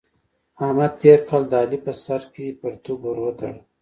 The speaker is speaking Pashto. احمد تېر کال د علي په سر کې پرتوګ ور وتاړه.